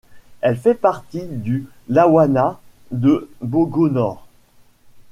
Elle fait partie du lawanat de Bogo-Nord.